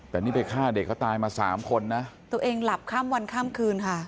แต่นี่ไปฆ่าเด็กเขาตายมาสามคนนะตัวเองหลับข้ามวันข้ามคืนค่ะ